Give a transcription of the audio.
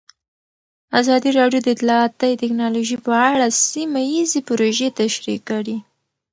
ازادي راډیو د اطلاعاتی تکنالوژي په اړه سیمه ییزې پروژې تشریح کړې.